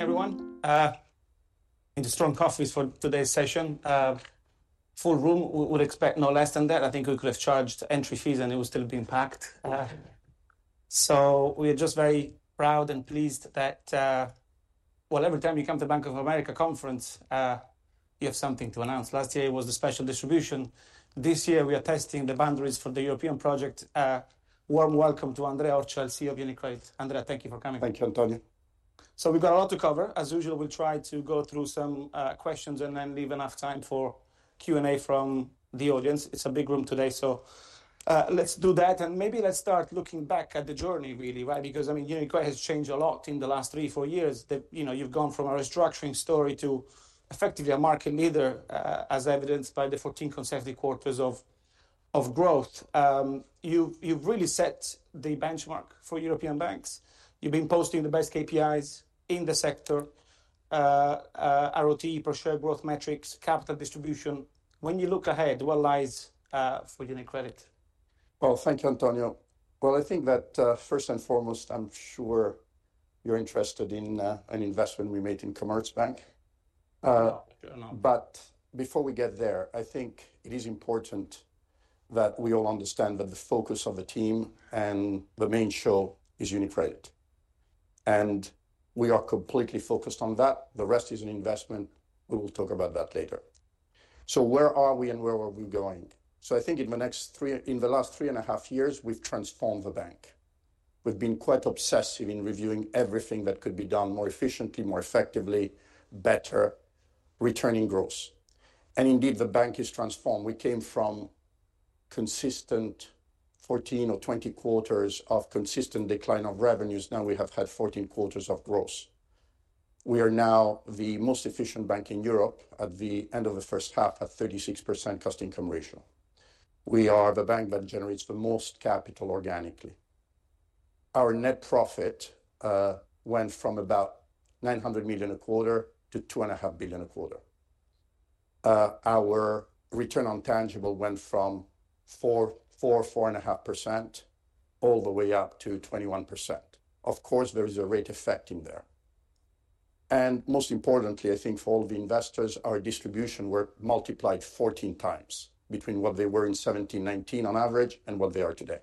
Good morning, everyone. Need a strong coffee for today's session. Full room, we would expect no less than that. I think we could have charged entry fees, and it would still have been packed. So, we're just very proud and pleased that... Well, every time you come to Bank of America conference, you have something to announce. Last year it was the special distribution. This year, we are testing the boundaries for the European project. Warm welcome to Andrea Orcel, CEO of UniCredit. Andrea, thank you for coming. Thank you, Antonio. So we've got a lot to cover. As usual, we'll try to go through some, questions and then leave enough time for Q&A from the audience. It's a big room today, so, let's do that, and maybe let's start looking back at the journey, really, right? Because, I mean, UniCredit has changed a lot in the last three, four years, that, you know, you've gone from a restructuring story to effectively a market leader, as evidenced by the fourteen consecutive quarters of growth. You've really set the benchmark for European banks. You've been posting the best KPIs in the sector, RoTE, per share growth metrics, capital distribution. When you look ahead, what lies, for UniCredit? Thank you, Antonio. I think that, first and foremost, I'm sure you're interested in an investment we made in Commerzbank. Fair enough. Before we get there, I think it is important that we all understand that the focus of the team and the main show is UniCredit, and we are completely focused on that. The rest is an investment. We will talk about that later. Where are we, and where are we going? I think in the last three and a half years, we've transformed the bank. We've been quite obsessive in reviewing everything that could be done more efficiently, more effectively, better, returning growth. Indeed, the bank is transformed. We came from consistent fourteen or twenty quarters of consistent decline of revenues. Now we have had fourteen quarters of growth. We are now the most efficient bank in Europe at the end of the first half, at 36% cost-income ratio. We are the bank that generates the most capital organically. Our net profit went from about 900 million a quarter to 2.5 billion a quarter. Our return on tangible went from 4.5%, all the way up to 21%. Of course, there is a rate effect in there. And most importantly, I think for all the investors, our distribution were multiplied 14x between what they were in 2017, 2019 on average, and what they are today.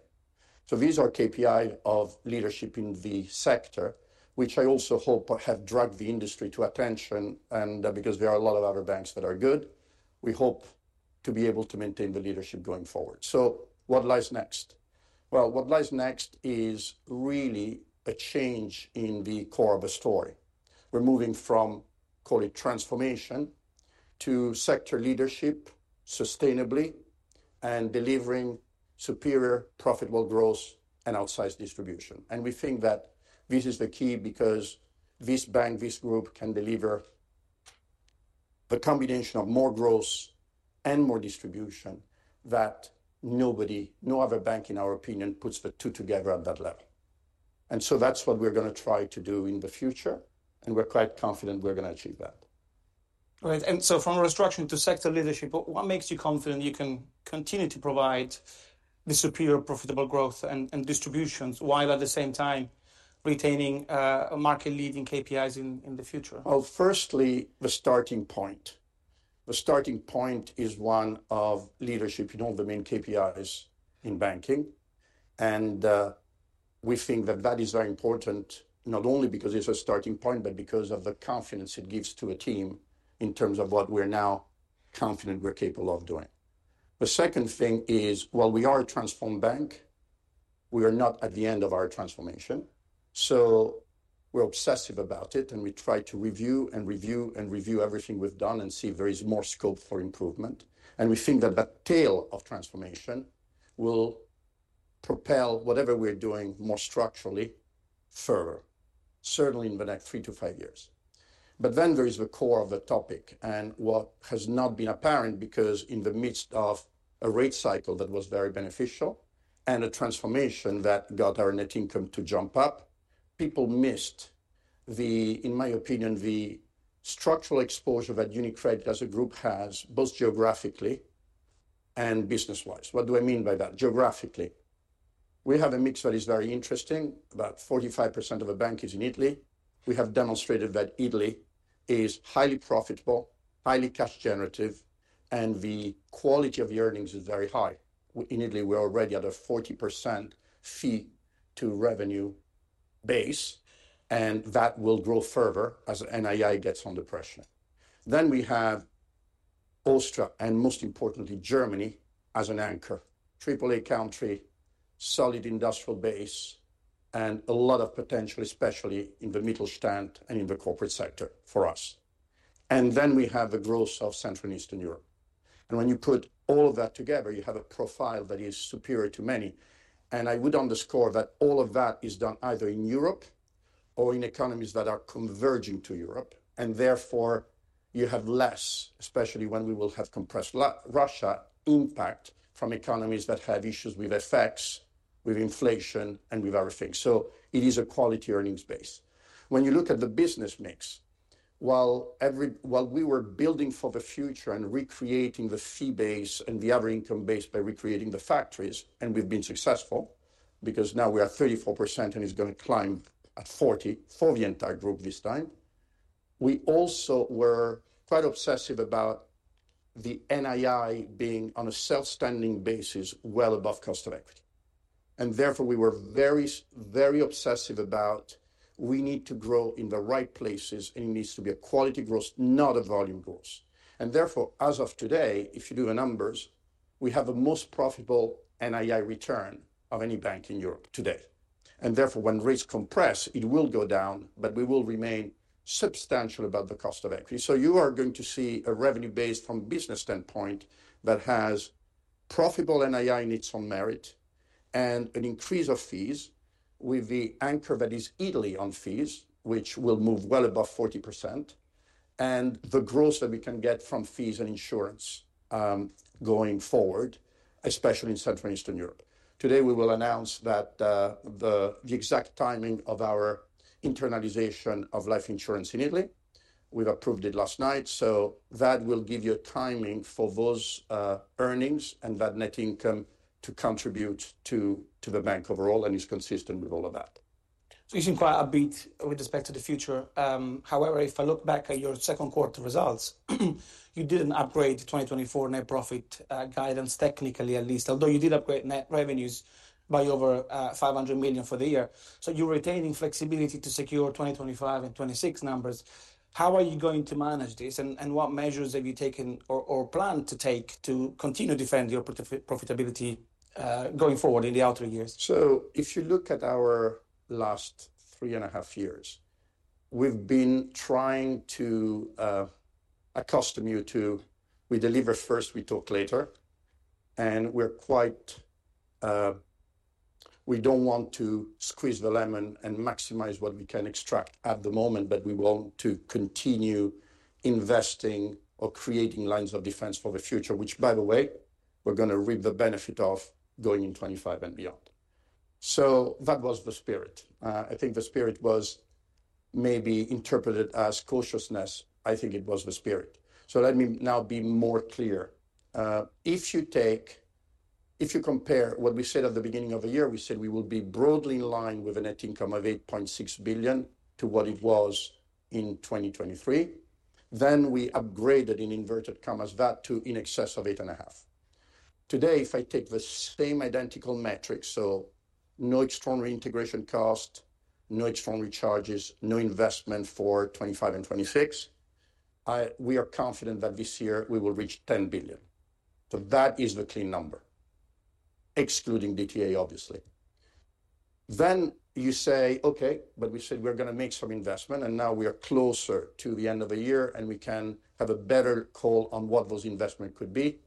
So these are KPI of leadership in the sector, which I also hope have dragged the industry to attention, and, because there are a lot of other banks that are good, we hope to be able to maintain the leadership going forward. So what lies next? What lies next is really a change in the core of a story. We're moving from, call it transformation, to sector leadership, sustainably, and delivering superior, profitable growth and outsized distribution. We think that this is the key, because this bank, this group, can deliver the combination of more growth and more distribution that nobody, no other bank, in our opinion, puts the two together at that level. That's what we're gonna try to do in the future, and we're quite confident we're gonna achieve that. Right. And so from a restructuring to sector leadership, what makes you confident you can continue to provide the superior profitable growth and distributions, while at the same time retaining market-leading KPIs in the future? Firstly, the starting point. The starting point is one of leadership in all the main KPIs in banking, and we think that that is very important, not only because it's a starting point, but because of the confidence it gives to a team in terms of what we're now confident we're capable of doing. The second thing is, while we are a transformed bank, we are not at the end of our transformation, so we're obsessive about it, and we try to review and review and review everything we've done and see if there is more scope for improvement. We think that that tail of transformation will propel whatever we're doing more structurally, further, certainly in the next three to five years. But then there is the core of the topic and what has not been apparent, because in the midst of a rate cycle that was very beneficial and a transformation that got our net income to jump up, people missed the... in my opinion, the structural exposure that UniCredit as a group has, both geographically and business-wise. What do I mean by that? Geographically, we have a mix that is very interesting. About 45% of the bank is in Italy. We have demonstrated that Italy is highly profitable, highly cash generative, and the quality of earnings is very high. In Italy, we're already at a 40% fee to revenue base, and that will grow further as NII gets under pressure. Then we have Austria, and most importantly, Germany as an anchor. Triple A country, solid industrial base, and a lot of potential, especially in the Mittelstand and in the corporate sector for us. And then we have the growth of Central and Eastern Europe. And when you put all of that together, you have a profile that is superior to many. And I would underscore that all of that is done either in Europe or in economies that are converging to Europe, and therefore, you have less, especially when we will have compressed exposure to Russia, impact from economies that have issues with FX, with inflation, and with other things. So it is a quality earnings base. When you look at the business mix, while we were building for the future and recreating the fee base and the other income base by recreating the factories, and we've been successful, because now we are 34%, and it's gonna climb at 40% for the entire group this time. We also were quite obsessive about the NII being on a self-standing basis well above cost of equity. Therefore, we were very obsessive about we need to grow in the right places, and it needs to be a quality growth, not a volume growth. Therefore, as of today, if you do the numbers, we have the most profitable NII return of any bank in Europe today. Therefore, when rates compress, it will go down, but we will remain substantially above the cost of equity. So, you are going to see a revenue base from a business standpoint that has profitable NII on its own merit, and an increase of fees, with the anchor that is Italy on fees, which will move well above 40%, and the growth that we can get from fees and insurance, going forward, especially in Central and Eastern Europe. Today, we will announce that, the exact timing of our internalization of life insurance in Italy. We've approved it last night, so that will give you a timing for those, earnings and that net income to contribute to, the bank overall, and is consistent with all of that. So, you seem quite upbeat with respect to the future. However, if I look back at your second quarter results, you didn't upgrade the 2024 net profit guidance, technically, at least, although you did upgrade net revenues by over 500 million for the year. So you're retaining flexibility to secure 2025 and 2026 numbers. How are you going to manage this, and what measures have you taken or plan to take to continue to defend your profitability going forward in the outer years? If you look at our last three and a half years, we've been trying to accustom you to, we deliver first, we talk later. And we're quite. We don't want to squeeze the lemon and maximize what we can extract at the moment, but we want to continue investing or creating lines of defense for the future, which, by the way, we're gonna reap the benefit of going in 2025 and beyond. That was the spirit. I think the spirit was maybe interpreted as cautiousness. I think it was the spirit. Let me now be more clear. If you compare what we said at the beginning of the year, we said we will be broadly in line with a net income of 8.6 billion to what it was in 2023. Then we "upgraded," in inverted commas, that to in excess of 8.5 billion. Today, if I take the same identical metrics, so no extraordinary integration cost, no extraordinary charges, no investment for 2025 and 2026, we are confident that this year we will reach 10 billion. So that is the clean number, excluding DTA, obviously. Then you say, "Okay, but we said we're gonna make some investment, and now we are closer to the end of the year, and we can have a better call on what those investments could be."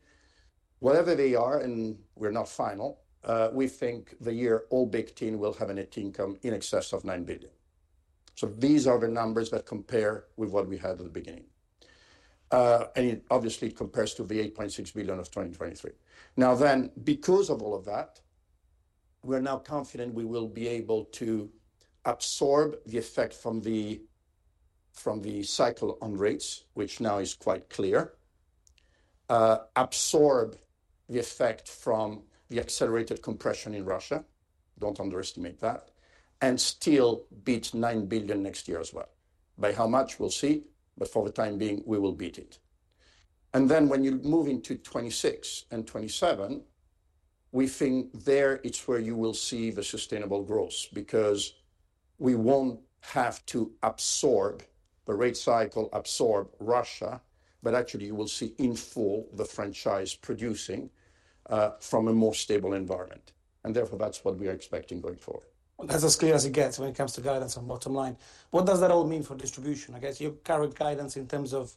Whatever they are, and we're not final, we think the year all-in will have a net income in excess of 9 billion. So these are the numbers that compare with what we had at the beginning. And it obviously compares to the 8.6 billion of 2023. Now then, because of all of that, we're now confident we will be able to absorb the effect from the cycle on rates, which now is quite clear. Absorb the effect from the accelerated compression in Russia. Don't underestimate that. And still beat 9 billion next year as well. By how much? We'll see, but for the time being, we will beat it. Then when you move into 2026 and 2027, we think there it's where you will see the sustainable growth, because we won't have to absorb the rate cycle, absorb Russia, but actually you will see in full the franchise producing from a more stable environment. And therefore, that's what we are expecting going forward. That's as clear as it gets when it comes to guidance on bottom line. What does that all mean for distribution? I guess your current guidance in terms of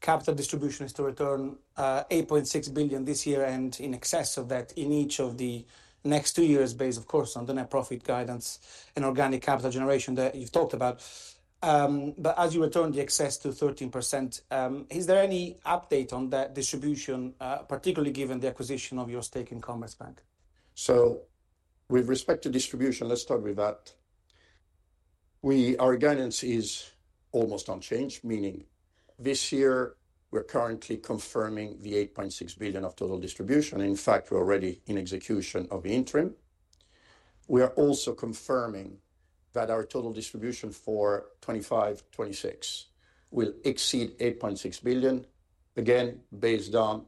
capital distribution is to return 8.6 billion this year and in excess of that in each of the next two years, based, of course, on the net profit guidance and organic capital generation that you've talked about, but as you return the excess to 13%, is there any update on that distribution, particularly given the acquisition of your stake in Commerzbank? With respect to distribution, let's start with that. Our guidance is almost unchanged, meaning this year we're currently confirming 8.6 billion of total distribution. In fact, we're already in execution of the interim. We are also confirming that our total distribution for 2025, 2026 will exceed 8.6 billion, again, based on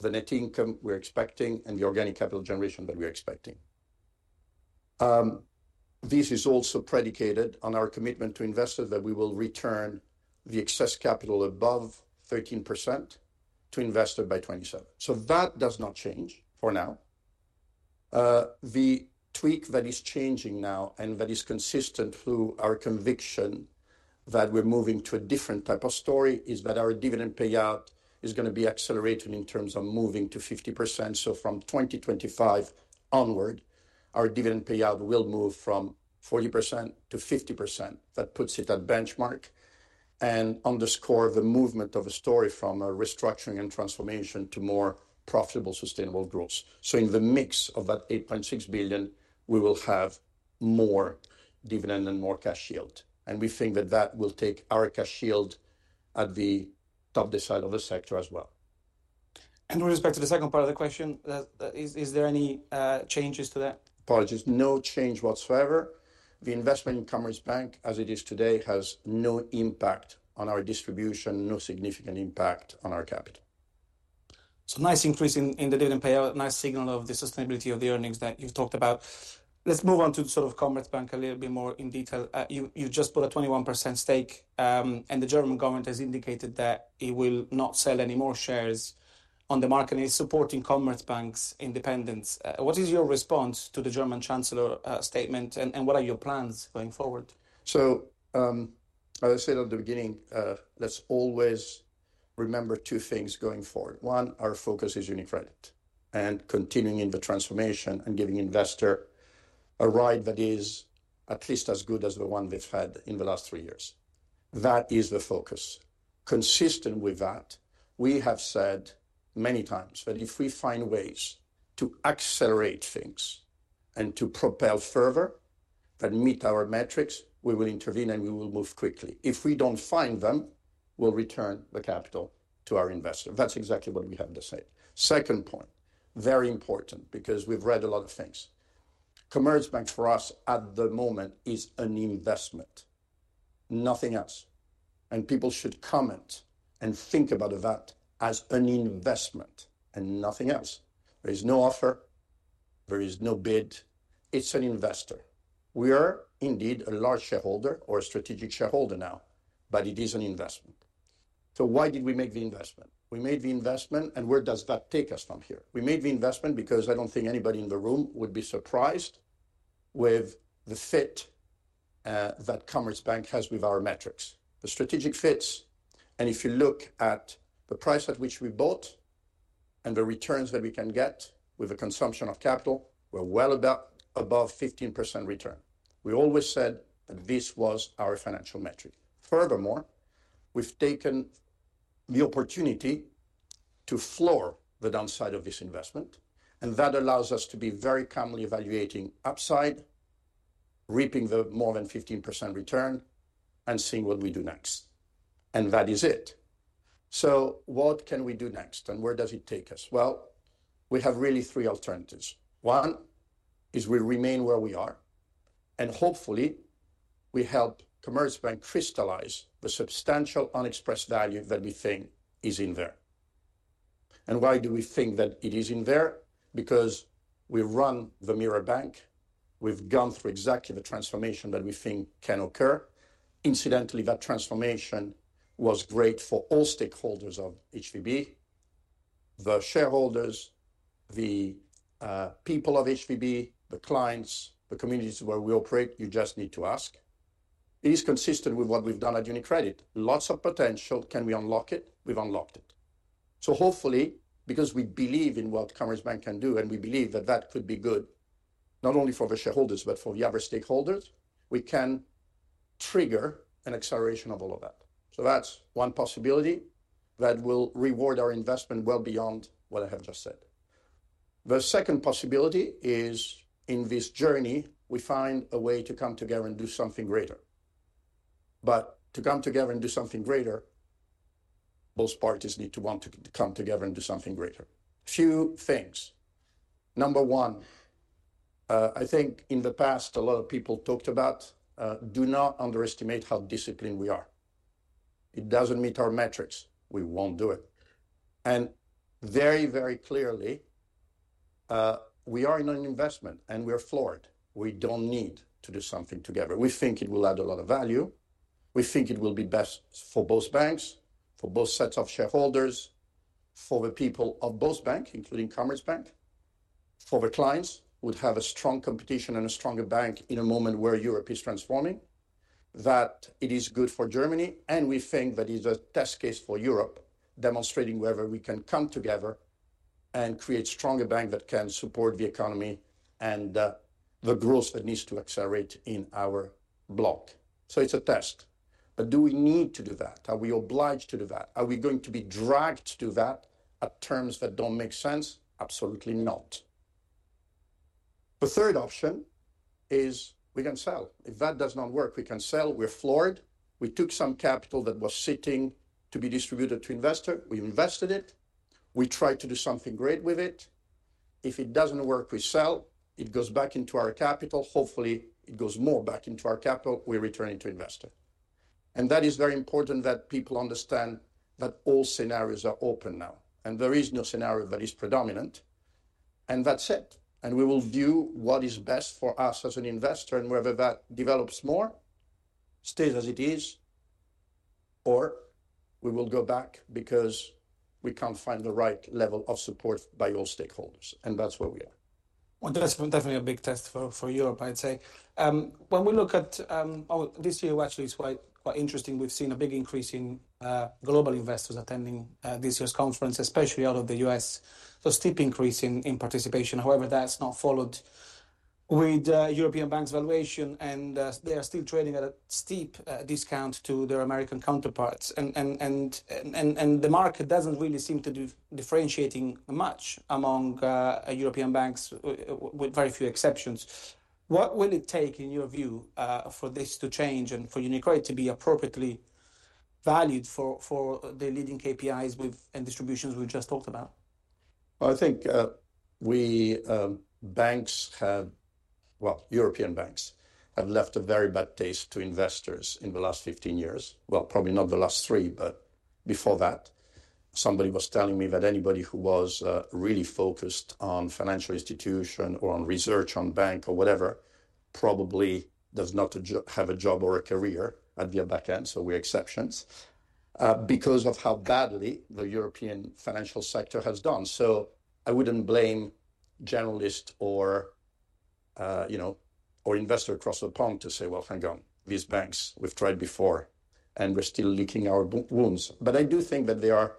the net income we're expecting and the organic capital generation that we're expecting. This is also predicated on our commitment to investors that we will return the excess capital above 13% to investors by 2027. That does not change for now. The tweak that is changing now, and that is consistent through our conviction that we're moving to a different type of story, is that our dividend payout is gonna be accelerated in terms of moving to 50%. From 2025 onward, our dividend payout will move from 40% to 50%. That puts it at benchmark and underscore the movement of a story from a restructuring and transformation to more profitable, sustainable growth. In the mix of that 8.6 billion, we will have more dividend and more cash yield. We think that that will take our cash yield at the top side of the sector as well. And with respect to the second part of the question, is there any changes to that? Apologies. No change whatsoever. The investment in Commerzbank, as it is today, has no impact on our distribution, no significant impact on our capital. So, nice increase in the dividend payout, nice signal of the sustainability of the earnings that you've talked about. Let's move on to sort of Commerzbank a little bit more in detail. You just bought a 21% stake, and the German government has indicated that it will not sell any more shares on the market, and it's supporting Commerzbank's independence. What is your response to the German Chancellor's statement, and what are your plans going forward? As I said at the beginning, let's always remember two things going forward. One, our focus is UniCredit, and continuing in the transformation, and giving investor a ride that is at least as good as the one they've had in the last three years. That is the focus. Consistent with that, we have said many times that if we find ways to accelerate things and to propel further that meet our metrics, we will intervene, and we will move quickly. If we don't find them, we'll return the capital to our investor. That's exactly what we have to say. Second point, very important because we've read a lot of things: Commerzbank, for us, at the moment, is an investment, nothing else, and people should comment and think about that as an investment and nothing else. There is no offer. There is no bid. It's an investor. We are indeed a large shareholder or a strategic shareholder now, but it is an investment. So why did we make the investment? We made the investment, and where does that take us from here? We made the investment because I don't think anybody in the room would be surprised with the fit that Commerzbank has with our metrics. The strategic fits, and if you look at the price at which we bought and the returns that we can get with the consumption of capital, we're well above 15% return. We always said that this was our financial metric. Furthermore, we've taken the opportunity to floor the downside of this investment, and that allows us to be very calmly evaluating upside, reaping the more than 15% return, and seeing what we do next, and that is it. What can we do next, and where does it take us? We have really three alternatives. One, is we remain where we are, and hopefully we help Commerzbank crystallize the substantial unexpressed value that we think is in there. Why do we think that it is in there? Because we've run the mirror bank. We've gone through exactly the transformation that we think can occur. Incidentally, that transformation was great for all stakeholders of HVB, the shareholders, the people of HVB, the clients, the communities where we operate. You just need to ask. It is consistent with what we've done at UniCredit. Lots of potential. Can we unlock it? We've unlocked it. So hopefully, because we believe in what Commerzbank can do, and we believe that that could be good not only for the shareholders, but for the other stakeholders, we can trigger an acceleration of all of that. So that's one possibility that will reward our investment well beyond what I have just said. The second possibility is, in this journey, we find a way to come together and do something greater. But to come together and do something greater, both parties need to want to come together and do something greater. Few things: number one, I think in the past, a lot of people talked about. Do not underestimate how disciplined we are. It doesn't meet our metrics. We won't do it, and very, very clearly, we are in an investment, and we are floored. We don't need to do something together. We think it will add a lot of value. We think it will be best for both banks, for both sets of shareholders, for the people of both banks, including Commerzbank, for the clients, who would have a strong competition and a stronger bank in a moment where Europe is transforming, that it is good for Germany, and we think that it's a test case for Europe, demonstrating whether we can come together and create stronger bank that can support the economy and the growth that needs to accelerate in our block. So, it's a test. But do we need to do that? Are we obliged to do that? Are we going to be dragged to do that at terms that don't make sense? Absolutely not. The third option is we can sell. If that does not work, we can sell. We're floored. We took some capital that was sitting to be distributed to investor. We've invested it. We tried to do something great with it. If it doesn't work, we sell. It goes back into our capital. Hopefully, it goes more back into our capital. We return it to investor, and that is very important that people understand that all scenarios are open now, and there is no scenario that is predominant, and that's it, and we will view what is best for us as an investor, and whether that develops more, stays as it is, or we will go back because we can't find the right level of support by all stakeholders, and that's where we are. That's definitely a big test for Europe, I'd say. When we look at... Oh, this year actually is quite interesting. We've seen a big increase in global investors attending this year's conference, especially out of the U.S. So, steep increase in participation. However, that's not followed with European banks' valuation, and they are still trading at a steep discount to their American counterparts. And the market doesn't really seem to do differentiating much among European banks, with very few exceptions. What will it take, in your view, for this to change and for UniCredit to be appropriately valued for the leading KPIs with, and distributions we just talked about? I think European banks have left a very bad taste to investors in the last fifteen years. Probably not the last three, but before that. Somebody was telling me that anybody who was really focused on financial institution or on research on bank or whatever, probably does not have a job or a career at the back end, so we're exceptions because of how badly the European financial sector has done. I wouldn't blame journalists or you know or investor across the pond to say, "Well, hang on, these banks, we've tried before, and we're still licking our wounds." I do think that they are,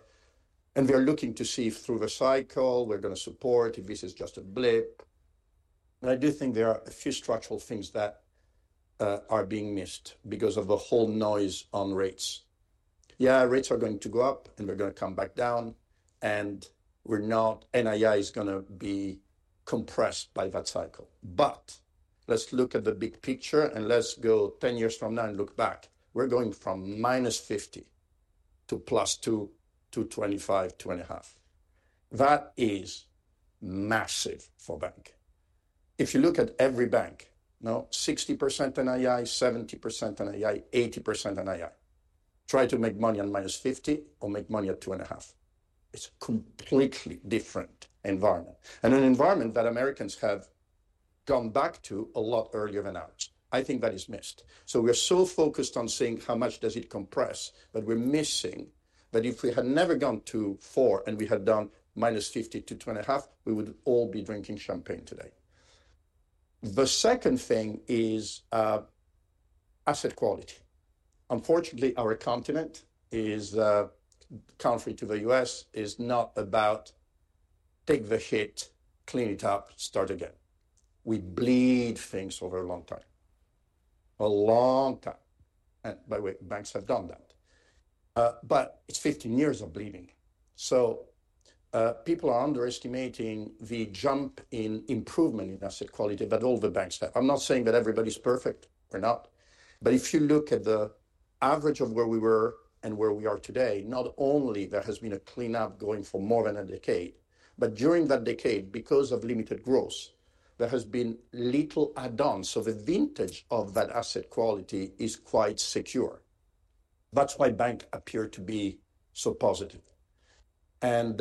and they're looking to see through the cycle. We're gonna support if this is just a blip. And I do think there are a few structural things that are being missed because of the whole noise on rates. Yeah, rates are going to go up, and they're gonna come back down, and we're not. NII is gonna be compressed by that cycle. But let's look at the big picture, and let's go 10 years from now and look back. We're going from -50% to plus +2% to 25%, 2.5%. That is massive for bank. If you look at every bank, now, 60% NII, 70% NII, 80% NII, try to make money on -50 or make money at 2.5. It's a completely different environment, and an environment that Americans have gone back to a lot earlier than ours. I think that is missed. So, we're so focused on seeing how much does it compress, but we're missing, that if we had never gone to four, and we had done -50% to 2.5%, we would all be drinking champagne today. The second thing is asset quality. Unfortunately, our continent, contrary to the U.S., is not about take the hit, clean it up, start again. We bleed things over a long time. A long time. And by the way, banks have done that. But it's 15 years of bleeding. So, people are underestimating the jump in improvement in asset quality that all the banks have. I'm not saying that everybody's perfect, we're not. But if you look at the average of where we were and where we are today, not only there has been a cleanup going for more than a decade, but during that decade, because of limited growth, there has been little add-ons, so the vintage of that asset quality is quite secure. That's why bank appeared to be so positive. And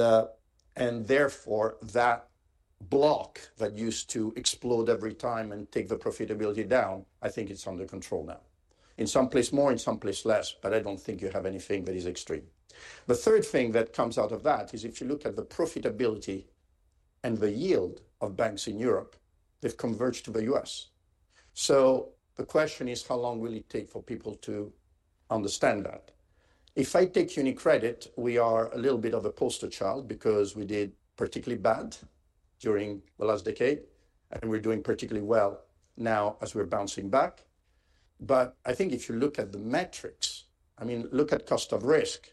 therefore, that block that used to explode every time and take the profitability down, I think it's under control now. In some place more, in some place less, but I don't think you have anything that is extreme. The third thing that comes out of that is, if you look at the profitability and the yield of banks in Europe, they've converged to the U.S. So the question is, how long will it take for people to understand that? If I take UniCredit, we are a little bit of a poster child because we did particularly bad during the last decade, and we're doing particularly well now as we're bouncing back. But I think if you look at the metrics, I mean, look at cost of risk.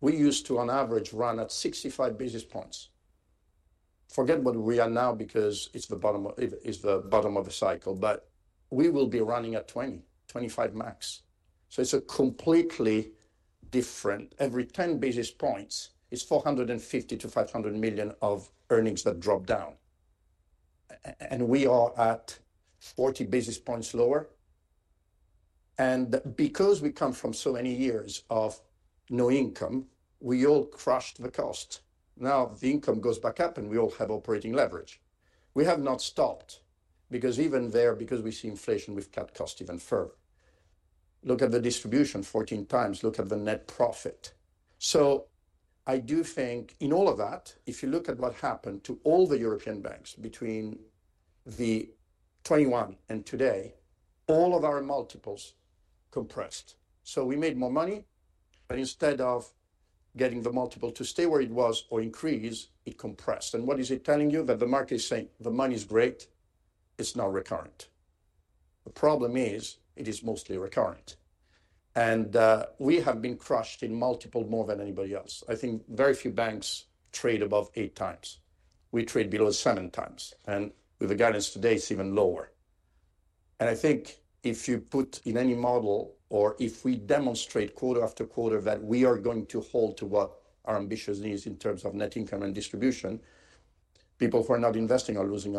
We used to, on average, run at 65 basis points. Forget what we are now, because it's the bottom of a cycle, but we will be running at 20-25 max. So it's a completely different. Every 10 basis points is 450 million-500 million of earnings that drop down, and we are at 40 basis points lower. And because we come from so many years of no income, we all crushed the cost. Now, the income goes back up, and we all have operating leverage. We have not stopped, because even there, because we see inflation, we've cut costs even further. Look at the distribution, 14x. Look at the net profit. So I do think in all of that, if you look at what happened to all the European banks between 2021 and today, all of our multiples compressed. So we made more money, but instead of getting the multiple to stay where it was or increase, it compressed. And what is it telling you? That the market is saying: "The money is great, it's not recurrent." The problem is, it is mostly recurrent. And we have been crushed in multiple more than anybody else. I think very few banks trade above 8x. We trade below 7x, and with the guidance today, it's even lower. I think if you put in any model, or if we demonstrate quarter after quarter, that we are going to hold to what our ambitious needs in terms of net income and distribution, people who are not investing are losing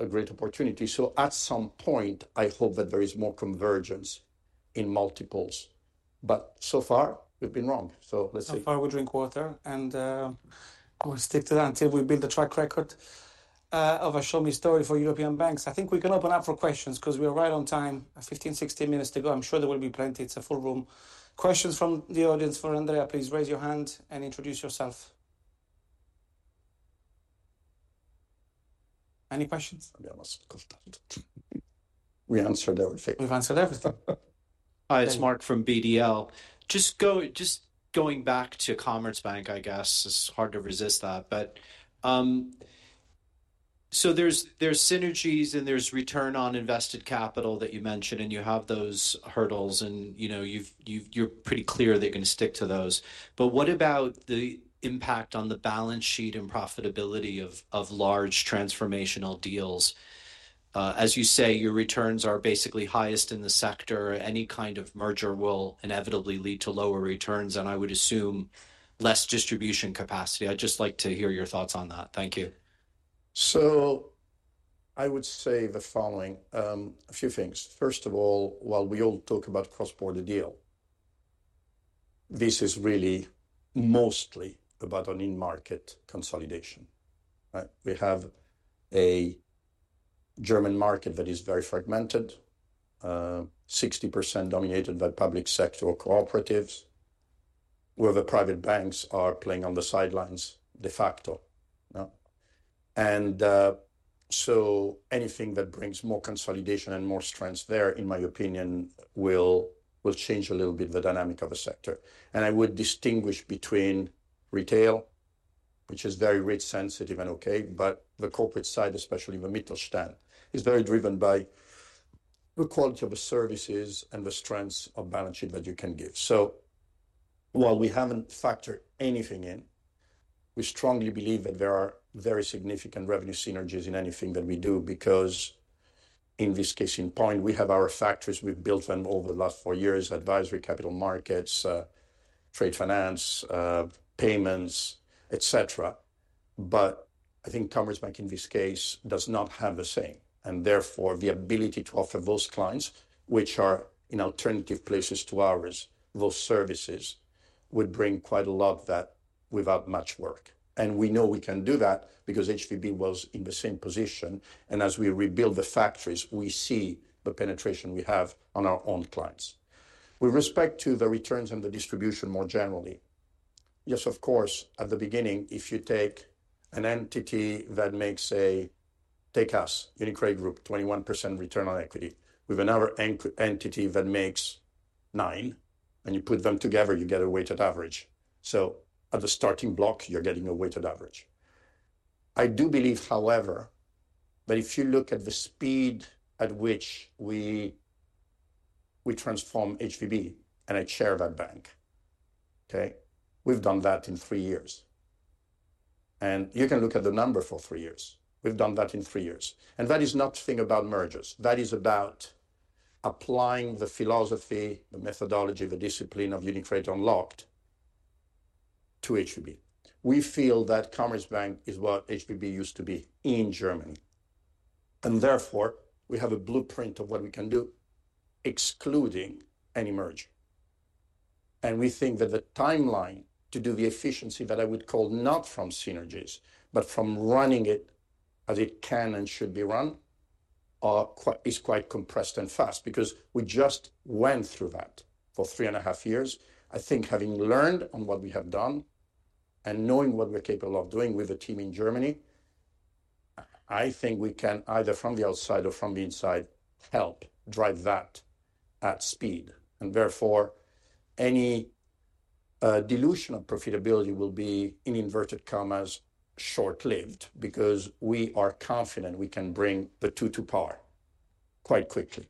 a great opportunity. At some point, I hope that there is more convergence in multiples. But so far, we've been wrong. Let's see. So far, we drink water, and we'll stick to that until we've built a track record of a show me story for European banks. I think we can open up for questions, 'cause we are right on time, 15, 16 minutes to go. I'm sure there will be plenty. It's a full room. Questions from the audience for Andrea, please raise your hand and introduce yourself. Any questions? I'll be honest, we answered everything. We've answered everything. Hi, it's Mark from BDL. Just going back to Commerzbank, I guess, it's hard to resist that, but. So there's synergies, and there's return on invested capital that you mentioned, and you have those hurdles, and, you know, you're pretty clear that you're gonna stick to those. But what about the impact on the balance sheet and profitability of large transformational deals? As you say, your returns are basically highest in the sector. Any kind of merger will inevitably lead to lower returns, and I would assume less distribution capacity. I'd just like to hear your thoughts on that. Thank you. So, I would say the following, a few things. First of all, while we all talk about cross-border deal, this is really mostly about an in-market consolidation, right? We have a German market that is very fragmented, 60% dominated by public sector cooperatives, where the private banks are playing on the sidelines, de facto. Now, and, so anything that brings more consolidation and more strengths there, in my opinion, will change a little bit of the dynamic of the sector. And I would distinguish between retail, which is very rate sensitive and okay, but the corporate side, especially the Mittelstand, is very driven by the quality of the services and the strengths of balance sheet that you can give. So, while we haven't factored anything in, we strongly believe that there are very significant revenue synergies in anything that we do, because in this case in point, we have our factories. We've built them over the last four years, advisory, capital markets, trade finance, payments, et cetera. But I think Commerzbank, in this case, does not have the same, and therefore, the ability to offer those clients, which are in alternative places to ours, those services, would bring quite a lot of that without much work. And we know we can do that because HVB was in the same position, and as we rebuild the factories, we see the penetration we have on our own clients. With respect to the returns and the distribution, more generally, yes, of course, at the beginning, if you take an entity that makes a, take us, UniCredit Group, 21% return on equity, with another entity that makes 9%, and you put them together, you get a weighted average. So, at the starting block, you're getting a weighted average. I do believe, however, that if you look at the speed at which we transform HVB, and I chair that bank, okay? We've done that in three years, and you can look at the number for three years. We've done that in three years, and that is nothing about mergers. That is about applying the philosophy, the methodology, the discipline of UniCredit Unlocked to HVB. We feel that Commerzbank is what HVB used to be in Germany, and therefore, we have a blueprint of what we can do, excluding any merger. And we think that the timeline to do the efficiency that I would call not from synergies, but from running it as it can and should be run, is quite compressed and fast, because we just went through that for three and a half years. I think having learned on what we have done and knowing what we're capable of doing with the team in Germany, I think we can either from the outside or from the inside, help drive that at speed. And therefore, any dilution of profitability will be, in inverted commas, "short-lived," because we are confident we can bring the two to par quite quickly.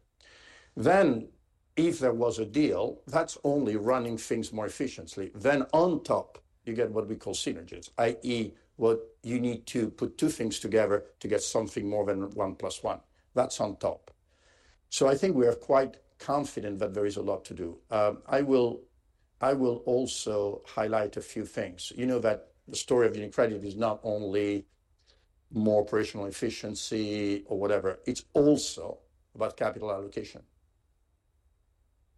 Then, if there was a deal, that's only running things more efficiently, then on top, you get what we call synergies, i.e., what you need to put two things together to get something more than one plus one. That's on top, so I think we are quite confident that there is a lot to do. I will also highlight a few things. You know that the story of UniCredit is not only more operational efficiency or whatever, it's also about capital allocation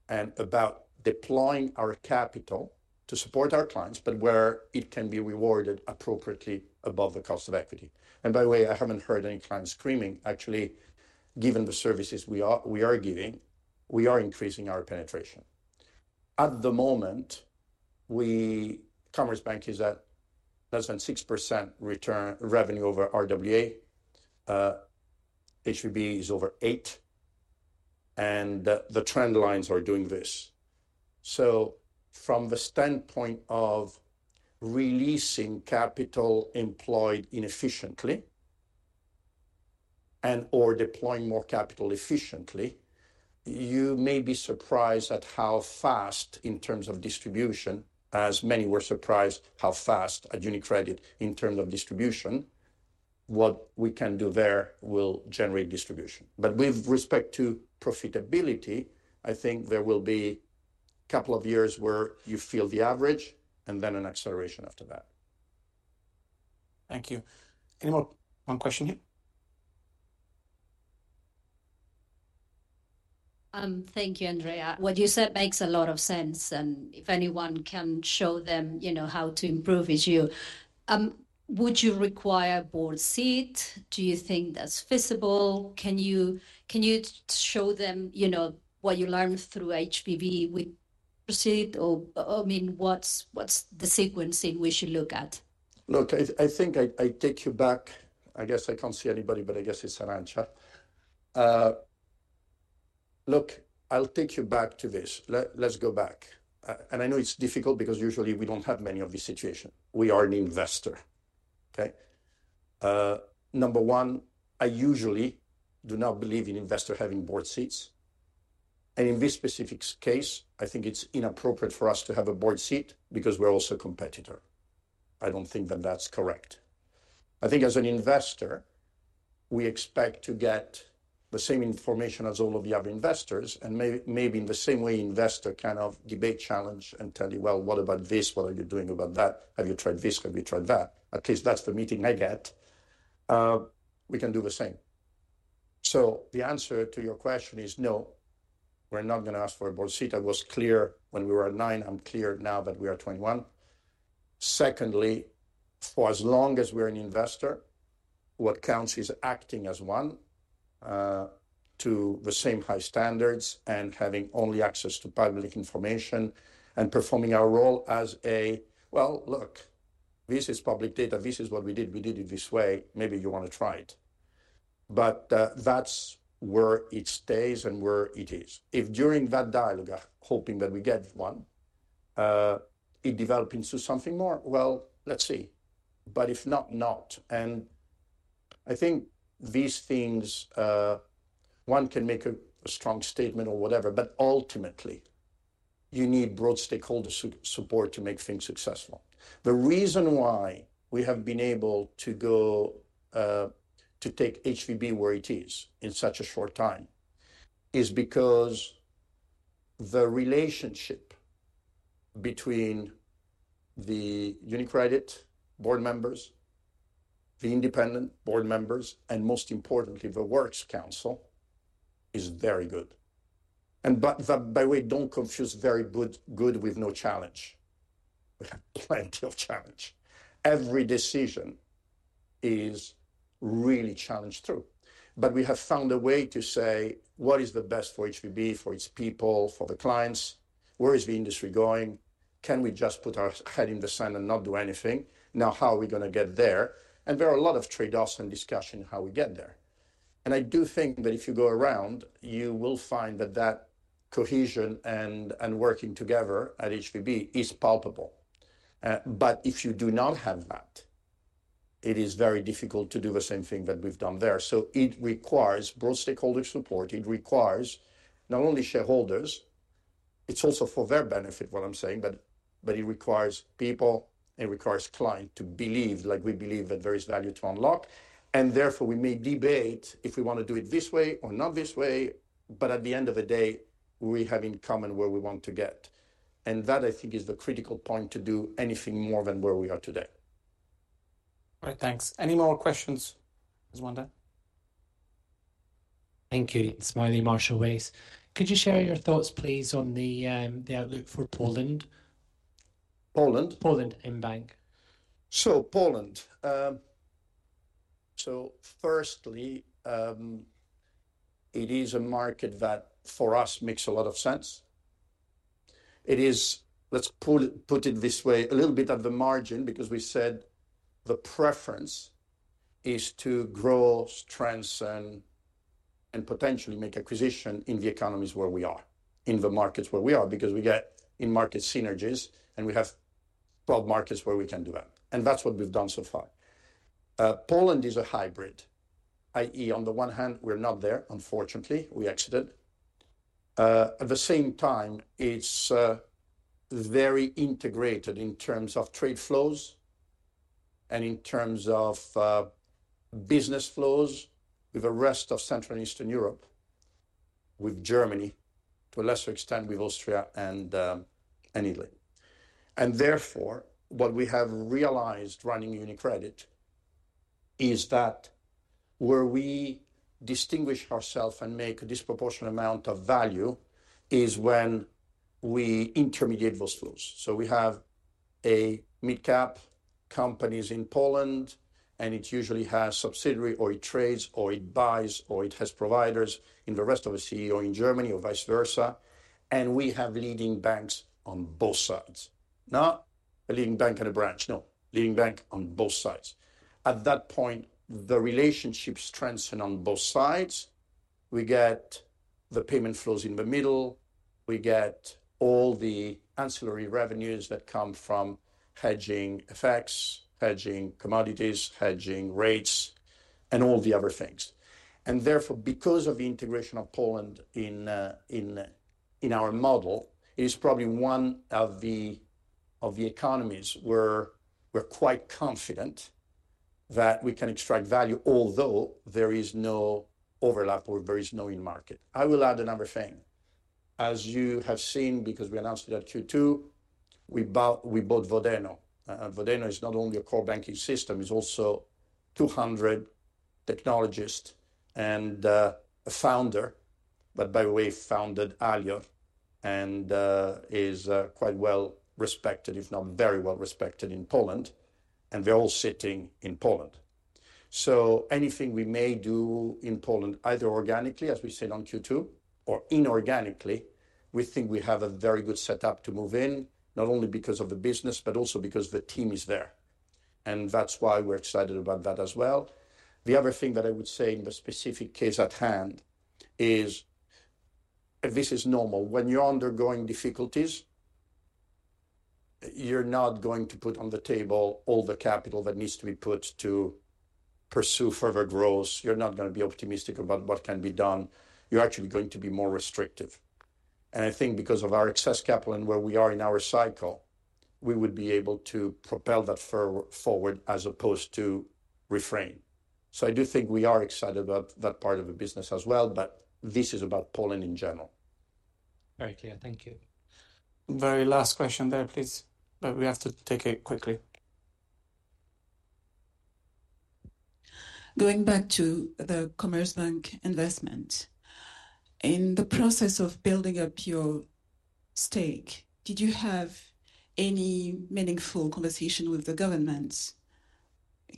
and about deploying our capital to support our clients, but where it can be rewarded appropriately above the cost of equity, and by the way, I haven't heard any clients screaming. Actually, given the services we are giving, we are increasing our penetration. At the moment, Commerzbank is at less than 6% return, revenue over RWA. HVB is over 8%, and the trend lines are doing this. So from the standpoint of releasing capital employed inefficiently and/or deploying more capital efficiently, you may be surprised at how fast in terms of distribution, as many were surprised, how fast at UniCredit in terms of distribution. What we can do there will generate distribution. But with respect to profitability, I think there will be a couple of years where you feel the average and then an acceleration after that. Thank you. Any more? One question here. Thank you, Andrea. What you said makes a lot of sense, and if anyone can show them, you know, how to improve, it's you. Would you require a board seat? Do you think that's feasible? Can you show them, you know, what you learned through HVB with precedent or, I mean, what's the sequencing we should look at? Look, I think I take you back. I guess I can't see anybody, but I guess it's Arancha. Look, I'll take you back to this. Let's go back. And I know it's difficult because usually we don't have many of this situation. We are an investor, okay? Number one, I usually do not believe in investor having board seats, and in this specific case, I think it's inappropriate for us to have a board seat because we're also a competitor. I don't think that that's correct. I think as an investor, we expect to get the same information as all of the other investors, and maybe in the same way, investor kind of debate, challenge, and tell you, "Well, what about this? What are you doing about that? Have you tried this? Have you tried that?" At least that's the meeting I get. We can do the same. The answer to your question is no, we're not gonna ask for a Board seat. I was clear when we were at nine, I'm clear now that we are 21. Secondly, for as long as we're an investor, what counts is acting as one, to the same high standards and having only access to public information and performing our role as a, "Well, look, this is public data. This is what we did. We did it this way. Maybe you wanna try it." But that's where it stays and where it is. If during that dialogue, hoping that we get one, it develop into something more, well, let's see. But if not, not, and I think these things, one can make a strong statement or whatever, but ultimately, you need broad stakeholder support to make things successful. The reason why we have been able to go to take HVB where it is in such a short time is because the relationship between the UniCredit board members, the independent board members, and most importantly, the works council, is very good. But by the way, don't confuse very good with no challenge. We have plenty of challenge. Every decision is really challenged through, but we have found a way to say: What is the best for HVB, for its people, for the clients? Where is the industry going? Can we just put our head in the sand and not do anything? Now, how are we gonna get there? There are a lot of trade-offs and discussion how we get there. I do think that if you go around, you will find that that cohesion and working together at HVB is palpable. But if you do not have that, it is very difficult to do the same thing that we've done there, so it requires broad stakeholder support. It requires not only shareholders, it's also for their benefit, what I'm saying, but it requires people, it requires client to believe, like we believe, that there is value to unlock, and therefore we may debate if we wanna do it this way or not this way, but at the end of the day, we have in common where we want to get, and that, I think, is the critical point to do anything more than where we are today. All right, thanks. Any more questions, Wanda? Thank you. It's me, Marshall Wace. Could you share your thoughts, please, on the outlook for Poland? Poland? Poland mBank. So Poland. So firstly, it is a market that, for us, makes a lot of sense. It is. Let's put it this way, a little bit at the margin, because we said the preference is to grow strengths and potentially make acquisition in the economies where we are, in the markets where we are, because we get in-market synergies, and we have 12 markets where we can do that. And that's what we've done so far. Poland is a hybrid, i.e., on the one hand, we're not there, unfortunately, we exited. At the same time, it's very integrated in terms of trade flows and in terms of business flows with the rest of Central and Eastern Europe, with Germany, to a lesser extent, with Austria and Italy. Therefore, what we have realized running UniCredit is that where we distinguish ourselves and make a disproportionate amount of value is when we intermediate those flows. So we have a mid-cap companies in Poland, and it usually has subsidiary, or it trades, or it buys, or it has providers in the rest of the CEE in Germany, or vice versa, and we have leading banks on both sides. Not a leading bank and a branch, no. Leading bank on both sides. At that point, the relationships strengthen on both sides. We get the payment flows in the middle. We get all the ancillary revenues that come from hedging effects, hedging commodities, hedging rates, and all the other things. And therefore, because of the integration of Poland in our model, it is probably one of the economies where we're quite confident that we can extract value, although there is no overlap or there is no in-market. I will add another thing. As you have seen, because we announced it at Q2, we bought Vodeno. And Vodeno is not only a core banking system, it's also 200 technologists and a founder, but by the way, founded Alior, and is quite well respected, if not very well respected in Poland, and they're all sitting in Poland. So anything we may do in Poland, either organically, as we said on Q2, or inorganically, we think we have a very good setup to move in, not only because of the business, but also because the team is there, and that's why we're excited about that as well. The other thing that I would say in the specific case at hand is, this is normal. When you're undergoing difficulties, you're not going to put on the table all the capital that needs to be put to pursue further growth. You're not gonna be optimistic about what can be done. You're actually going to be more restrictive. And I think because of our excess capital and where we are in our cycle, we would be able to propel that forward as opposed to refrain. So I do think we are excited about that part of the business as well, but this is about Poland in general. Very clear. Thank you. Very last question there, please, but we have to take it quickly. Going back to the Commerzbank investment. In the process of building up your stake, did you have any meaningful conversation with the government?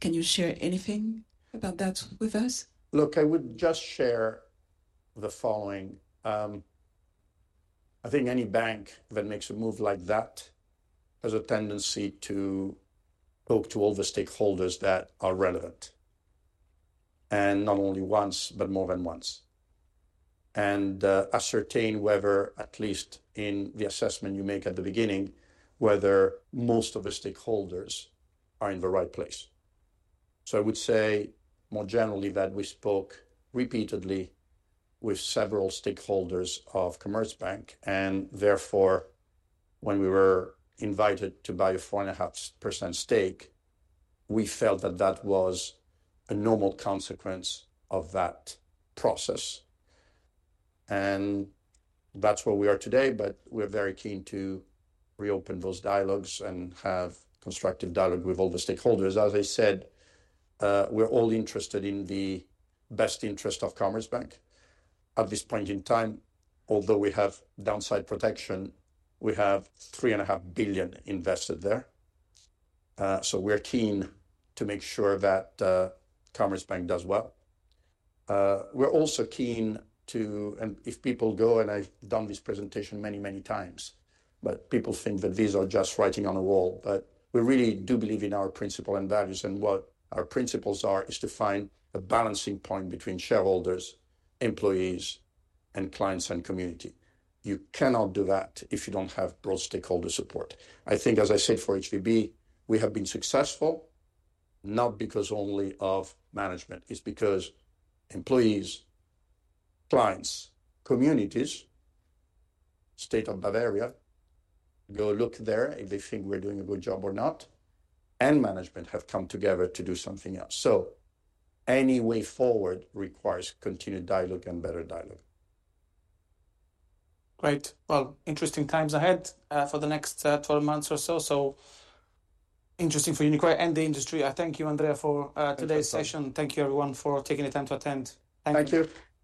Can you share anything about that with us? Look, I would just share the following. I think any bank that makes a move like that has a tendency to talk to all the stakeholders that are relevant, and not only once, but more than once. And, ascertain whether, at least in the assessment you make at the beginning, whether most of the stakeholders are in the right place. So, I would say more generally, that we spoke repeatedly with several stakeholders of Commerzbank, and therefore, when we were invited to buy a 4.5% stake, we felt that that was a normal consequence of that process. And that's where we are today, but we're very keen to reopen those dialogues and have constructive dialogue with all the stakeholders. As I said, we're all interested in the best interest of Commerzbank. At this point in time, although we have downside protection, we have 3.5 billion invested there. So we're keen to make sure that Commerzbank does well. We're also keen to. And if people go, and I've done this presentation many, many times, but people think that these are just writing on the wall, but we really do believe in our principle and values, and what our principles are, is to find a balancing point between shareholders, employees, and clients, and community. You cannot do that if you don't have broad stakeholder support. I think, as I said, for HVB, we have been successful, not because only of management. It's because employees, clients, communities, state of Bavaria, go look there if they think we're doing a good job or not, and management have come together to do something else. Any way forward requires continued dialogue and better dialogue. Great! Interesting times ahead for the next twelve months or so. So, interesting for UniCredit and the industry. I thank you, Andrea, for today's session. Thank you. Thank you, everyone, for taking the time to attend. Thank you.